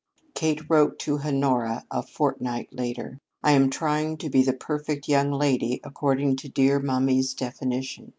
Kate wrote to Honora a fortnight later: I am trying to be the perfect young lady according to dear mummy's definition.